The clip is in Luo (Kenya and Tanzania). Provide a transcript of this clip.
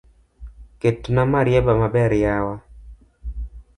Ketna marieba maber yawa